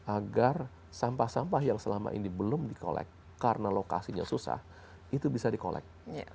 agar sampah sampah yang selama ini belum di collect karena lokasinya susah itu bisa di collect